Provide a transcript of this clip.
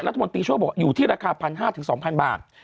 รัฐมนตรีช่วยบอกอยู่ที่ราคา๑๕๐๐๒๐๐บาท